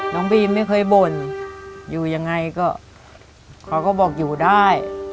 น้องบีมไม่เคยบ่นอยู่ยังไงก็เขาก็บอกอยู่ได้